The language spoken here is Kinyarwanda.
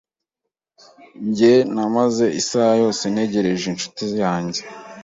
Njye namaze isaha yose ntegereje inshuti yanjye.